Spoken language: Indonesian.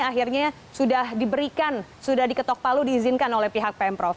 akhirnya sudah diberikan sudah diketok palu diizinkan oleh pihak pemprov